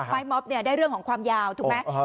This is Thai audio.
ม็อบเนี่ยได้เรื่องของความยาวถูกไหม